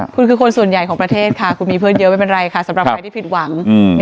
คุณคือคนส่วนใหญ่ของประเทศค่ะคุณมีเพื่อนเยอะไม่เป็นไรค่ะสำหรับใครที่ผิดหวัง